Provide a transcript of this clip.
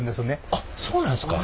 あっそうなんですか。